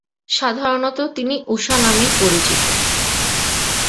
সাধারণত তিনি উষা নামেই পরিচিত।